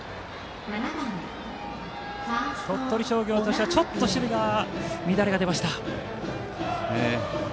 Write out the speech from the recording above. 鳥取商業としてはちょっと守備の乱れが出ました。